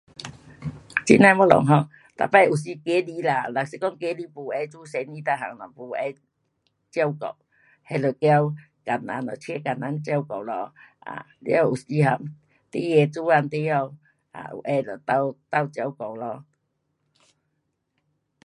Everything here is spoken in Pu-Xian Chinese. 这样的东西 um 每次有时孩儿啦，若是讲孩儿没闲做生意每样 um 没闲照顾，那就叫工人，请工人照顾咯。啊，了有时哈，孩儿做工回家有闲了就斗，斗照顾咯。